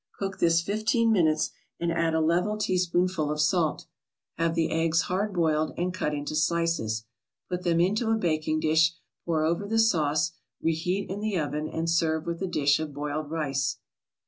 Cook this fifteen minutes, and add a level teaspoonful of salt. Have the eggs hard boiled, and cut into slices. Put them into a baking dish, pour over the sauce, re heat in the oven, and serve with a dish of boiled rice.